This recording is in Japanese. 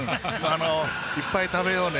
いっぱい食べようね。